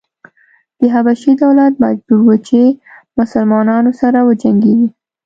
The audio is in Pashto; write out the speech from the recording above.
د حبشې دولت مجبور و چې مسلنانو سره وجنګېږي.